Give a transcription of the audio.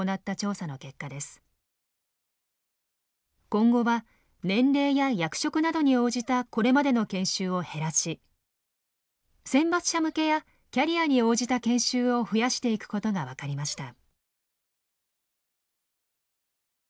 今後は年齢や役職などに応じたこれまでの研修を減らし選抜者向けやキャリアに応じた研修を増やしていくことが分かりました。